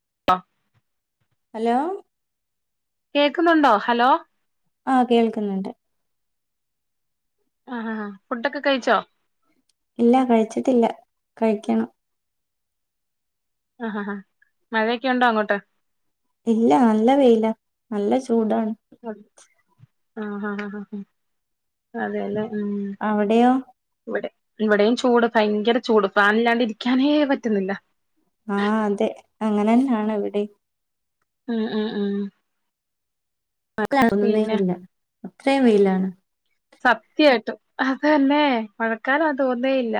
[unintelligible] Hello കേക്കുന്നുണ്ടൊ hello ആഹ് കേൾക്കുന്നുണ്ട് ആഹ് ആഹ് ആഹ് ഫുഡൊക്കെ കഴിച്ചൊ ഇല്ല കഴിച്ചിട്ടില്ല കഴിക്കണം ആഹ് ആഹ് ആഹ് മഴയൊക്കെ ഉണ്ടോ അങ്ങോട്ട് ഇല്ല നല്ല വെയില നല്ല ചൂടാണ് ആഹ് ആഹ് ആഹ് ആഹ് ആഹ് അതെ അല്ലെ അവിടെയോ ഇവിടെ ഇവിടേയും ചൂട് ഭയങ്കര ചൂട് ഫാനില്ലാണ്ട് ഇരിക്കാനേ പറ്റുന്നില്ല ആഹ് അതെ അങ്ങനന്നാണ് ഇവിടേം ആഹ് ആഹ് ആഹ് പൊറത്ത് എറങ്ങുന്നേ പിന്നെ ഇല്ല അത്രയും വെയിലാണ് സത്യായിട്ടും അതന്നെ മഴക്കാലാ തോന്നേല്ല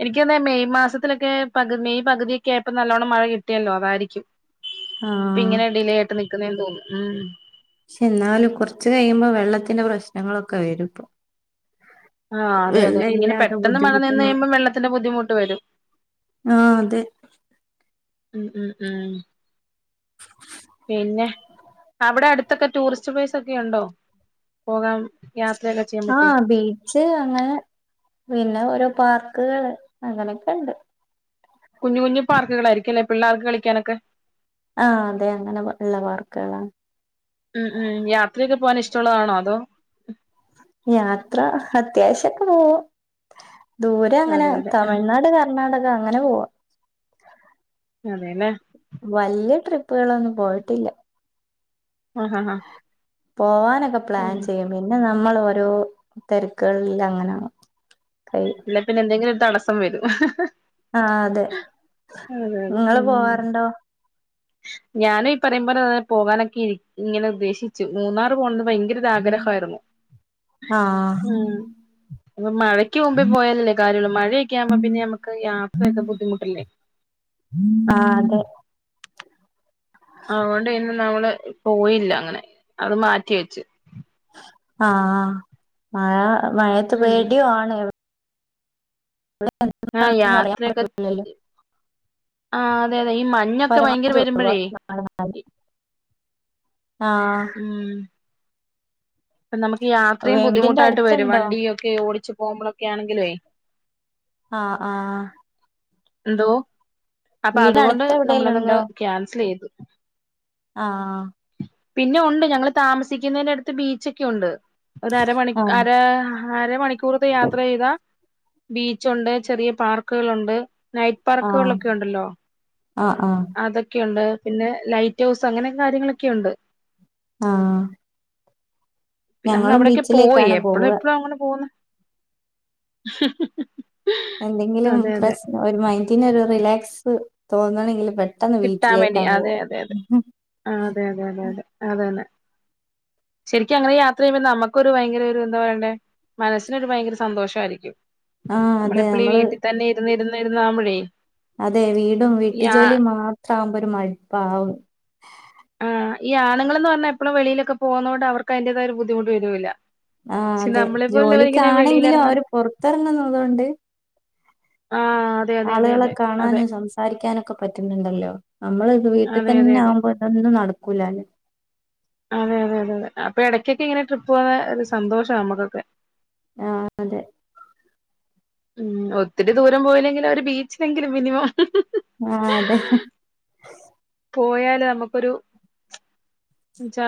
എനിക്ക് തോന്നെ മെയ് മാസത്തിലൊക്കെ പകു മെയ് പകുതിയൊക്കെ ആയപ്പൊ നല്ലോണ്ണം മഴ കിട്ടിയല്ലൊ അതാരിക്കും [unintelligible] ആഹ് ഇപ്പ ഇങ്ങനെ ഡിലേ ആയിട്ട് നിൽക്കുന്നേന്ന് തോന്നും ഉം പക്ഷെ എന്നാലും കുറച്ച് കഴിയുമ്പോൾ വെള്ളത്തിന്റെ പ്രശ്നങ്ങളൊക്കെ വരും ഇപ്പൊ ആഹ് അതെ അതെ വെള്ളം ഇങ്ങനെ ഇല്ലാതെ പെട്ടെന്ന് മഴ നിന്ന് ബുദ്ധിമുട്ടുന്ന കഴിയുമ്പോൾ വെള്ളത്തിന്റെ ബുദ്ധിമുട്ട് വരും ആഹ് അതെ ഉം ഉം ഉം പിന്നെ അവിടെ അടുത്തൊക്കെ ടൂറിസ്റ്റ് പ്ലേസ് ഒക്കെ ഉണ്ടോ പോകാൻ യാത്രയെക്കെ ചെയ്യാൻ പറ്റിയ വച്ച് അങ്ങനെ പിന്നെ ഓരോ പാർക്കുകള് അങ്ങനെയൊക്കെ ഉണ്ട് കുഞ്ഞു കുഞ്ഞു പാർക്കുകളായിരിക്കും അല്ലേ പിള്ളേർക്ക് കളിക്കാനൊക്കെ ആഹ് അതെ അങ്ങനെ ഉള്ള പാർക്കുകളാ ഉം ഉം യാത്രയൊക്കെ പോവാൻ ഇഷ്ടമുള്ളതാണോ അതോ യാത്ര അത്യാവശ്യൊക്കെ പോകും ദൂരെ അങ്ങനെ അതെ അതെ തമിഴ്നാട് കർണാടക അങ്ങനെ പോവും അതെയല്ലെ വല്യ ട്രിപ്പുകളൊന്നും പോയിട്ടില്ല ആഹ് ഹ ആഹ് പോവാനൊക്കെ പ്ലാൻ ഉം ചെയ്യും പിന്നെ നമ്മൾ ഓരോ തിരക്കുകളിൽ അങ്ങനെ കൈ ഇല്ലെ പിന്നെ എന്തെങ്കിലും ഒരു തടസ്സം വരും ആഹ് അതെ അതെ അതെ നിങ്ങള് ഉം പോവാറുണ്ടോ ഞാനും ഈ പറയുമ്പോലെ പോകാനൊക്കെ ഇരി ഇങ്ങനെ ഉദ്ദേശിച്ചു മൂന്നാറ് പോകണം എന്ന് ഭയങ്കര ആഗ്രഹമായിരുന്നു ആഹ് പ്പ മഴക്ക് മുമ്പേ പോയാലല്ലേ കാര്യാള്ളു മഴൊക്കെ ആമ്പ പിന്നെ നമുക്ക് യാത്രയൊക്കെ ബുദ്ധിമുട്ടില്ലേ ആഹ് അതെ അതുകൊണ്ട് ഇന്ന് നമ്മള് പോയില്ല അങ്ങനെ അത് മാറ്റി വെച്ച് ആഹ് മഴ മഴത്ത് ഉം പേടിയും ആണ് ആഹ് എവിടെന്ന് അറിയാൻ യാത്രക്ക പറ്റൂലല്ലോ ആഹ് അതെ അതെ ഈ മഞ്ഞൊക്കെ ഭയങ്കര വരുമ്പോഴേ ആഹ് ആഹ് ഉം ഇപ്പ നമുക്ക് യാത്രയും വീടിന്റെ ബുദ്ധിമുട്ടായിട്ട് വരും അടുത്തുണ്ടോ വണ്ടിയൊക്കെ ഓടിച്ച് പോവുമ്പോഴൊക്കെ ആണെങ്കിലേ ആഹ് ആഹ് എന്തോ അപ്പ വീട് അതുകൊണ്ട് അടുത്ത് നമ്മള് എവിടെലും അതങ്ങ് ഉണ്ടോ ക്യാൻസൽ ചെയ്തു ആഹ് പിന്നെ ഉണ്ട് ഞങ്ങള് താമസിക്കുന്നതിന്റെ അടുത്ത് ബീച്ചൊക്കെ ഉണ്ട് ഒര് അരമണി ആഹ് അര അര മണിക്കൂറക്കെ യാത്ര ചെയ്താ ബീച്ചുണ്ട് ചെറിയ പാർക്കുണ്ട് നൈറ്റ് ആഹ് പാർക്കുകളൊക്കെ ഉണ്ടല്ലോ ആഹ് ആഹ് അതൊക്കെയുണ്ട് പിന്നെ ലൈറ്റ് ഹൗസ് അങ്ങനെ കാര്യങ്ങളൊക്കെ ഉണ്ട് ആഹ് പിന്ന നമ്മള് ഞങ്ങളും അവിടെയൊക്കെ പോയി ബീച്ചിലേക്കാണ് എപ്പഴും പോവുക എപ്പഴും അങ്ങനെ പോന്ന എന്തെങ്കിലും പ്രശ്നം ഒരു മൈൻഡിനൊരു റിലാക്സ് തോന്നണമെങ്കിൽ പെട്ട പെട്ടെന്ന് ബീച്ചിലേക്കങ്ങ്‌ പോവും ആഹ് അതെ അതെ അതെ അത് തന്നെ ശരിക്കും അങ്ങനെ യാത്ര ചെയ്യുമ്പോ നമുക്കൊരു ഭയങ്കര ഒരു എന്താ പറയേണ്ടേ മനസ്സിനൊരു ഭയങ്കര സന്തോഷമായിരിക്കും ആഹ് അതെ നമ്മളെപ്പളീ ഈ നമ്മള് വീട്ടിൽ തന്നെ ഇരുന്നിരുന്നി ഇരുന്നാവുമ്പഴേ അതെ വീടും ഈ ആ വീട്ടുജോലി മാത്ര ആകുമ്പോ ഒരു മടിപ്പാവും ആ ഈ ആണുങ്ങൾ പറഞ്ഞാ എപ്പോഴും വെളിയിൽ ഒക്കെ പോകുന്നത കൊണ്ട് അവർക്ക് അതിന്റേതായ ഒരു ബുദ്ധിമുട്ട് വരൂല ആഹ അതെ ജോലിക്കാണെങ്കിലും വെളിയിലിറങ്ങാതെ അവര് പുറത്തിറങ്ങുന്ന അതൊണ്ട് ആഹ് ആളുകളെ കാണാനും സംസാരിക്കാ സംസാരിക്കാനൊക്കെ പറ്റുന്നുണ്ടല്ലോ നമ്മള് ഇത് വീട്ടിൽ അതെ അതെ തന്നെ അതെ ആകുമ്പോ ഇതൊന്നും നടക്കൂലല്ലേ അതെ അതെ അതെ അപ്പാ ഇടയ്ക്കൊക്കെ ഇങ്ങനെ ട്രിപ്പ് പോകുന്ന ഒരു സന്തോഷമാണ് നമക്കൊക്കെ ആഹ് അതെ ഉം ഒത്തിരി ദൂരം പോയില്ലെങ്കിലും ഒരു ബീച്ചിനെങ്കിലും മിനിമം ആഹ് അതെ പോയാലോ നമുക്കൊരു എന്നച്ചാ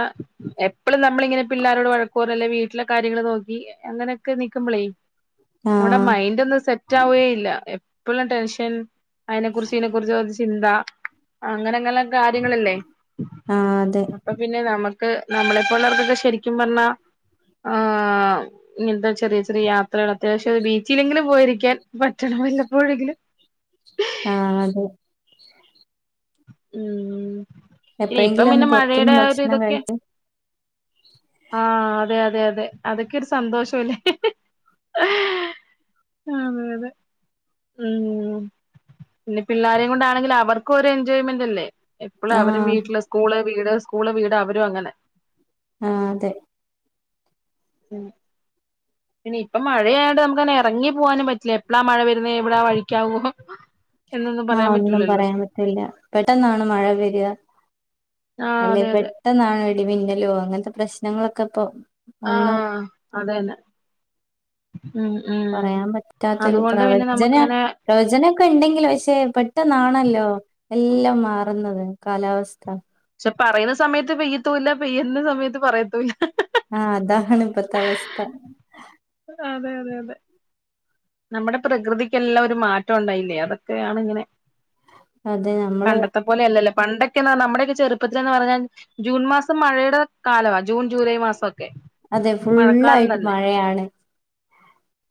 എപ്പോഴും നമ്മളിങ്ങനെ പിള്ളോരോട് വഴക്കോറല്ലെ വീട്ടിലെ കാര്യങ്ങള് നോക്കി പിന്നെങ്ങനെയൊക്കെ നിക്കുമ്പളേ നമ്മടെ ആഹ് മൈൻഡ് ഒന്നും സെറ്റ് ആവേ ഇല്ല എപ്പോഴും ടെൻഷൻ അതിനെ കുറിച്ച് ഇതിനെക്കുറിച്ച് ചിന്ത അങ്ങനെ അങ്ങനെ കാര്യങ്ങളല്ലേ ആഹ് അതെ അപ്പൊ പിന്നെ നമുക്ക് നമ്മളെപ്പോലുള്ളവർക്കൊക്കെ ശരിക്കും പറഞ്ഞാ ആഹ് ഇങ്ങനത്തെ ചെറിയ ചെറിയ യാത്രകൾ അത്യാവശ്യം ഒരു ബീച്ചിലെങ്കിലും പോയിരിക്കാൻ പറ്റണം വല്ലപ്പോഴെങ്കിലും ആഹ് അതെ ഉം ഇനി ഇപ്പം എപ്പഴെങ്കിലും ഒന്ന് പിന്നെ പൊറത്ത്ന്ന് മഴയുടെ ആ ഒരു ഭക്ഷണം ഇതൊക്കെ കഴിച്ച് ആഹ് അതെ അതെ അതെ അതൊക്കെരു സന്തോഷംല്ലേ ആഹ് അതെ അതെ ഉം പിന്നെ പിള്ളാരെയും കൊണ്ടാണെങ്കിൽ അവർക്കും ഒരു എൻജോയ്മെന്റ് അല്ലേ എപ്പോഴ അവരും ആഹ് വീട്ടില് സ്കൂള് വീട് സ്കൂള് വീട് അവരും അങ്ങനെ ആഹ് അതെ ഉം പിന്നെ ഇപ്പ മഴയായണ്ട് നമുക്കങ്ങനെ ഇറങ്ങി പോകാനും പറ്റില്ല എപ്പോഴാ മഴ വരുന്നത് എവിടാ വഴിക്കാവോ [inaudible] എന്നൊന്നും ആഹ് പറയാൻ ഒന്നും പറ്റൂലല്ലോ പറയാൻ പറ്റില്ല പെട്ടെന്നാണ് മഴ വരുക ആഹ് അല്ലേ അതെ പെ അതെ പെട്ടെന്നാണ് ഇടിമിന്നലോ അങ്ങനത്തെ പ്രശ്നങ്ങളൊക്കെ ഇപ്പൊ ഒന്നും ആഹ് അതന്നെ ഉം മം പറയാൻ പറ്റാത്തൊരു അതുകൊണ്ട് പിന്നെ പ്രവചന നമുക്ക് അങ്ങനെ പ്രവചനൊക്കെ ഇണ്ടെങ്കിലോ പക്ഷെ പെട്ടെന്നാണല്ലോ എല്ലാം മാറുന്നത് കാലാവസ്ഥ ക്ഷെ പറയുന്ന സമയത്ത് പെയ്യത്തൂല്ല പെയ്യുന്ന സമയത്ത് പറയത്തൂല്ല ആഹ് അതാണു ഇപ്പത്തെ അവസ്ഥ അതെ അതെ അതെ നമ്മടെ പ്രകൃതിയ്ക്കെല്ലാം ഒരു മാറ്റം ഉണ്ടായില്ലേ അതൊക്കെയാണ് ഇങ്ങനെ അതെ നമ്മള് പോലെ അല്ലല്ലോ പണ്ടൊക്കെന്നുപറഞ്ഞാൽ നമ്മുടെ ചെറുപ്പത്തിൽ എന്ന് പറഞ്ഞാൽ ജൂൺ മാസം മഴേടെ കാലവാ ജൂൺ ജൂലൈ മാസൊക്കെ അതെ മഴക്കാലം ഫുള്ളായിട്ട് തന്നെ മഴയാണ്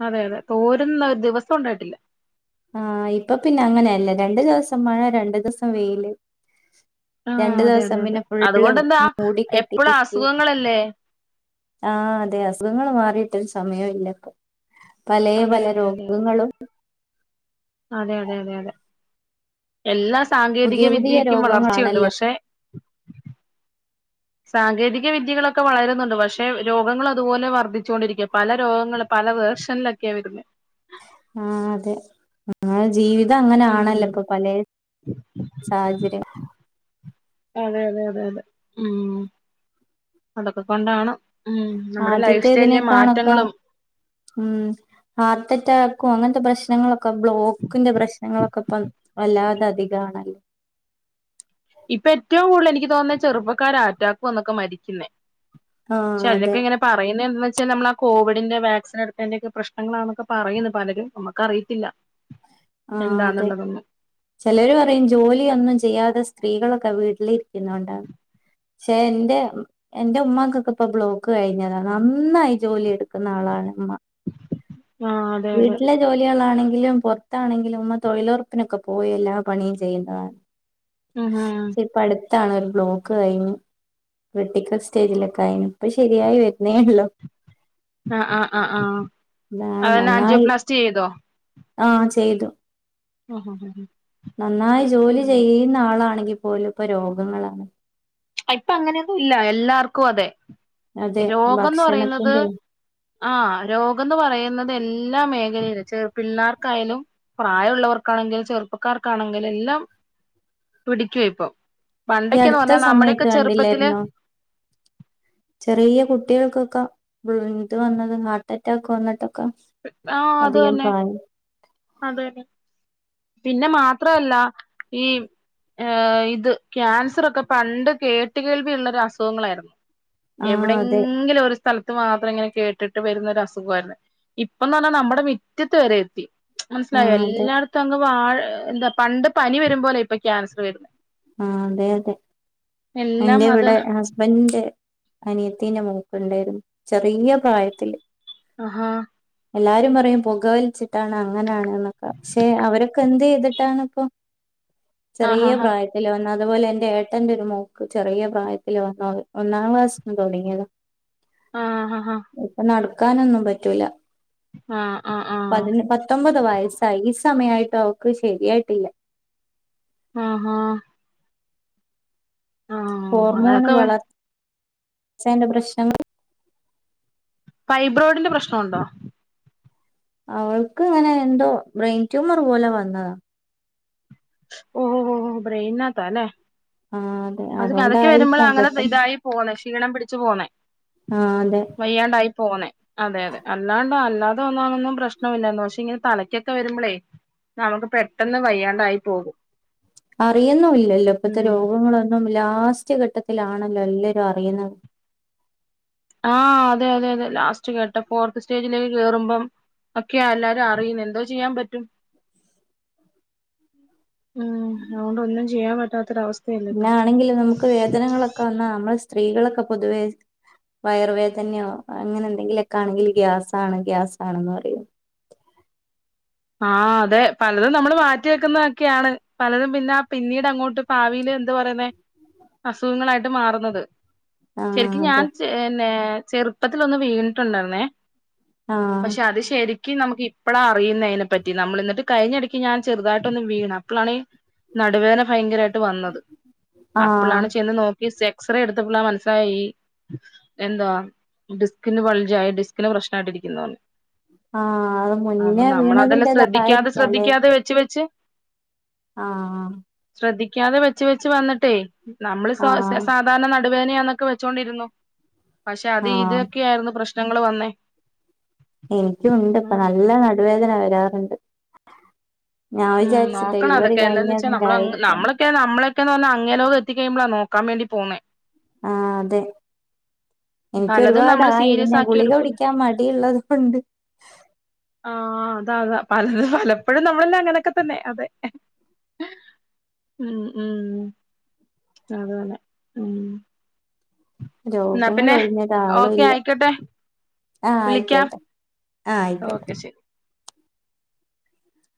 അതെ അതെ തോരുന്ന ഒരു ദിവസം ഉണ്ടായിട്ടില്ല ആഹ് ഇപ്പൊ പിന്നെ അങ്ങനെയല്ല രണ്ടു ദിവസം മഴ രണ്ടു ദിവസം വെയില് ആഹ് രണ്ടു അതെ ദിവസം അതെ അതെ പിന്നെ ഫുള്ള് അതുകൊണ്ടെന്താ എപ്പളും മൂടികെട്ടിയിരിക്കും അസുഖങ്ങളല്ലേ ആഹ് അതെ അസുഖങ്ങൾ മാറിയിട്ട് ഒരു സമയോം ഇല്ലപ്പൊ പലേ അതെ പല അതെ അതെ അതെ രോഗങ്ങളും അതെ അതെ അതെ അതെ എല്ലാ സാങ്കേതിക പുതിയ പുതിയ വിദ്യക്കും വളർച്ചയുണ്ട് രോഗങ്ങളാണല്ലോ പക്ഷെ സാങ്കേതിക വിദ്യകളൊക്കെ വളരുന്നുണ്ട് പക്ഷെ രോഗങ്ങൾ അതുപോലെ വർദ്ധിച്ചോണ്ടിരിക്കാ പല രോഗങ്ങളും പല വേർഷനിലാ [unintelligible] ആഹ് അതെ ജീവിതം അങ്ങനനാണല്ലോ ഉം ഇപ്പൊ പലെ സാഹചര്യം അതെ അതെ അതെ അതെ ഉം അതൊക്കെ കൊണ്ടാണ് ഉം നമ്മുടെ ലൈഫ് സ്റ്റൈലിലെ ആദ്യത്തേതിനേക്കാണൊക്കെ മാറ്റങ്ങളും ഉം ഹാർട്ട് അറ്റാക്കും അങ്ങനത്തെ പ്രശ്നങ്ങളൊക്കെ ബ്ലോക്കിന്റെ പ്രശ്നങ്ങളൊ ക്കൊപ്പം വല്ലാതെ അധികാണല്ലോ ഇപ്പൊ എറ്റവും കൂടുതൽ എനിക്ക് തോന്നുന്ന ചെറുപ്പക്കാര് അറ്റാക്കു വന്നൊക്കെ മരിക്കുന്നേ ആ ചെലരൊക്കെ അതെ ഇങ്ങനെ പറയുന്നത് എന്തന്ന് വച്ചാൽ നമ്മള് ആ കോവിഡിന്റെ വാക്സിൻ എടുത്തെന്റെ ഒക്കെ പ്രശ്നങ്ങളാണൊക്കെ പറയുന്നു പലരും നമക്ക് അറിയത്തില്ല ആഹ് അതെ ചിലവര് പറയും ജോലിയൊന്നും ചെയ്യാതെ സ്ത്രീകളൊക്കെ വീട്ടിലിരിക്കുന്നോണ്ടാന്ന് പക്ഷെ എന്റെ എന്റെ ഉമ്മാക്കൊക്കെ ഇപ്പൊ ബ്ലോക്ക് കഴിഞ്ഞതാണ് നന്നായി ജോലി എടുക്കു ക്കുന്ന ആളാണ്‌ ഇമ്മ ആഹ് അതെ അതെ വീട്ടിലെ ജോലികളാണെങ്കിലും പൊർ ത്താണെങ്കിലും ഉമ്മ തൊഴിലൊറപ്പിനൊക്കെ പോയി എല്ലാ പണിയും ചെയ്യുന്നതാണ് ആഹാ ഇപ്പടുത്താണ് ഒരു ബ്ലോക്ക്‌ കഴിഞ്ഞു ക്രിട്ടിക്കൽ സ്റ്റേജിലൊക്കെ ആയിനു ഇപ്പ ശരിയായി വരുന്നേ ഒള്ളൂ ആഹ് ആഹ് ആഹ് അതാണ് അതെന്നാ നന്നായി ആൻജിയോപ്ലാസ്റ്റി ചെയ്തോ ആഹ് ചെയ്തു ആഹ് ആഹ് നന്നായി ജോലി ചെയ്യുന്ന ആളാണെങ്കിൽ പോലും ഇപ്പോ രോഗങ്ങളാണ്‌ ആഹ് ഇപ്പൊ അങ്ങനെയൊന്നും ഇല്ല എല്ലാർക്കും അതെ അതെ രോഗംന്ന് പറയുന്നത് ഭക്ഷണത്തിന്റെ ആഹ് രോഗംന്ന് പറയുന്നത് എല്ലാ മേഖലയിലും ചെ പിള്ളേർക്കായാലും പ്രായവുള്ളവർക്കാണെങ്കിലും ചെറുപ്പക്കാർക്കാണെങ്കിലും എല്ലാം പിടിക്കുവാ ഇപ്പം ഈ പണ്ടൊക്കെന്ന് അടുത്ത പറഞ്ഞാൽ നമ്മുടെ സമയത്ത് കണ്ടില്ലായിരുന്നോ ചെറിയ കുട്ടികൾക്കൊക്കെ ഇത് വന്നത് ഹാർട്ട് അറ്റാക്ക് ഒക്കെ വന്നിട്ടൊക്കെ ആഹ് അത് അധികം തന്നെ പ്രായം അതെ പിന്നെ മാത്രല്ല ഈ ഏഹ് ഇത് ക്യാൻസറൊക്കെ പണ്ട് കേട്ടു കേൾവി ഉള്ളൊരു അസുഖങ്ങളായിരുന്നു ആഹ് അതെ എവിടെങ്കിലും ഒരു സ്ഥലത്ത് മാത്രം ഇങ്ങനെ കേട്ടിട്ട് വരുന്ന ഒരു അസുഖവായിരുന്നു ഇപ്പന്ന് പറഞ്ഞാൽ നമ്മുടെ മിറ്റത്ത് വരെ എത്തി മനസ്സിലായോ ആഹ് അതെ എല്ലാ ത്തങ്ങ് വാഴ എന്താ പണ്ട് പനി വരുമ്പോലെ ഇപ്പൊ ക്യാൻസർ വരുന്നത് ആഹ് അതെ അതെ എല്ലാം എന്റെ അത് ഇവിടെ ഹസ്ബൻഡിന്റെ അനിയത്തിന്റെ മോക്കുണ്ടായിരുന്നു ചെറിയ പ്രായത്തില് ആഹാ എല്ലാരും പറയും പൊകവലിച്ചിട്ടാണ് അങ്ങനാണ് എന്നൊക്കെ പക്ഷെ അവരൊക്കെ എന്ത് ചെയ്തിട്ടാണ് ഇപ്പ ചെറീയ ആഹാഹാ പ്രായ ത്തിൽ വന്ന് അതുപോലെ എന്റെ ഏട്ടന്റെ ഒരു മോക്ക് ചെറീയ പ്രായത്തില് വന്ന അത് ഒന്നാം ക്ലാസ്ന്ന് തൊടങ്ങിയത ആഹ് ഇപ്പ നടക്കാനൊന്നും പറ്റൂല. ആഹ് ആ ആ പതിന പത്തൊമ്പത് വയസ്സായി ഈ സമയായിട്ടും അവക്ക് ശരിയായിട്ടില്ല. ആഹ് ആഹ്, ആഹ് ഹോർമോണ് അങ്ങനൊക്കെ വളർച്ചേന്റെ പ്രശ്നങ്ങൾ ഫൈബ്രോഡിന്റെ പ്രശ്നമുണ്ടോ? അവൾക്ക് ഇങ്ങനെ എന്തോ ബ്രെയിൻ ട്യൂമർ പോലെ വന്നതാ ഓ ഓഹ് ഓഹ് ബ്രെയിനത്താലെ ആ അതെ അത് തലക്ക് വരുമ്പോൾ അതുകൊണ്ടായിരിക്കാം അങ്ങനെ പെട്ടെന്ന് ഇതായി പോന്നേ ക്ഷീണം പിടിച്ചു പോന്നേ ആഹ് അതെ വയ്യാണ്ടായി പോന്നെ അതെ അതെ അല്ലാണ്ട് അല്ലാതെ വന്നതൊന്നും പ്രശ്നമില്ലന്ന് പക്ഷെ ഇങ്ങനെ തലയ്ക്കൊക്കെ വരുമ്പളേ നമുക്ക് പെട്ടെന്ന് വയ്യാണ്ടായി പോകും. അറിയുന്നുല്ലല്ലോ ഇപ്പത്തെ ഉം രോഗങ്ങളൊന്നും ലാസ്റ്റ് ഘട്ടത്തിലാണല്ലോ എല്ലരും അറിയുന്നത് ആഹ് അതെ അതെ അതെ ലാസ്റ്റ് കേട്ട ഫോർത്ത് സ്റ്റേജിലേക്ക് കേറുമ്പം ഒക്കെയാ എല്ലാരും അറിയുന്നെ എന്തോ ചെയ്യാൻ പറ്റും. ഉം അതോണ്ട് ഒന്നും ചെയ്യാൻ പറ്റാത്തൊരവ പിന്ന ആണെങ്കിൽ നമുക്ക് വേദനങ്ങളൊക്കെ വന്നാ നമ്മൾ സ്ത്രീകളൊക്കെ പൊതുവേ വയറ് വേദനയോ അങ്ങനെ എന്തെങ്കിലൊക്കെ ആണെങ്കിൽ ഗ്യാസ് ആണ് ഗ്യാസ് ആണെന്ന് പറയും ആഹ് അതെ പലതും നമ്മള് മാറ്റി വെക്കുന്നതൊക്കെയാണ് പലതും പിന്നെ ആ പിന്നീട് അങ്ങോട്ട് ഭാവിയിൽ എന്താ പറയുന്നെ അസുഖങ്ങളായിട്ട് മാറുന്നത്. ആഹ് ശരിക്കും ഞാൻ അതെ പിന്നെ ചെറുപ്പത്തിലൊന്ന് വീണിട്ടുണ്ടായിരുന്നേ ആഹ് പക്ഷെ അത് ശരിക്കും നമുക്ക് ഇപ്പളാ അറിയുന്നെ അയി- നെപറ്റി നമ്മളിട്ട് കഴിഞ്ഞിടക്ക് ഞാൻ ചെറുതായിട്ടൊ ഒന്ന് വീണ് അപ്പളാണ് നടുവേദന ഭയങ്കരായിട്ട് വന്നത് ആഹ് അപ്പളാണ് ചെന്ന് നോ ക്കി എക്സ്റേ എടുത്തപ്പള്ള മനസ്സിലായി ഈ എന്താ ഡിസ്കിന് വൾജ് ആയി ഡിസ്കിന് പ്രശ്നായിട്ടിരിക്കുന്നൂന്ന്. ആഹ് അത് മുന്നേ നമ്മളതെല്ലാം വീണതിന്റെതാ ശ്രദ്ധിക്കാതെ ശ്രദ്ധിക്കാതെ വെച്ച് വെച്ച് ആഹ് ശ്രദ്ധിക്കാതെ വെച്ച് വെച്ച് വന്നിട്ടേ നമ്മള് സ്വാ ആഹ് സാ ധാരണ നടുവേദനയാന്നൊക്കെ വെച്ചോണ്ടിരുന്നു പക്ഷെ അത് ആഹ് ഇതൊക്കെയായിരുന്നു പ്രശ്നങ്ങൾ വന്നേ എനിക്കുണ്ട് ഇപ്പൊ ഉം നല്ല നടുവേദന വരാറുണ്ട്. ഞാൻ ഉം വിചാരിച്ച് ഡെലിവറി കഴിഞ്ഞതിന്റെ ആയിരിക്കാം. ക്ക നമ്മളൊക്കന്ന് പറാഞ അങ്ങനെ പറ്റികയ്യുമ്പളാ നോക്കാം വേണ്ടി പോന്നേ ആഹ് അതെ പലതും നമ്മള് എനിക്കൊരുപാടായി സീരിയസ് പിന്നെ ആക്കി ഗുളിക എടുക്കൂല കുടിക്കാൻ മടിയുള്ളത് കൊണ്ട് ആഹ് അതാ അതാ പലത് പലപ്പോഴും നമ്മളെല്ലാം അങ്ങനെയൊക്കെ തന്നെ അതെ ഉം ഉം അതാണ് ഉം എന്നാ രോഗങ്ങൾ പിന്നെ ഒഴിഞ്ഞൊരു ഓക്കെ ആളുല്ല ആയിക്കോട്ടെ ആഹ വിളിക്കാം ആയിക്കട്ടെ ആഹ ആയിക്കോട്ടെ ഓക്കെ ശരി